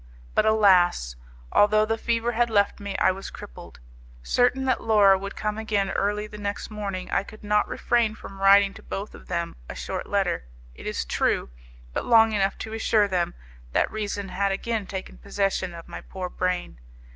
But, alas! although the fever had left me, I was crippled. Certain that Laura would come again early the next morning, I could not refrain from writing to both of them a short letter, it is true, but long enough to assure them that reason had again taken possession of my poor brain.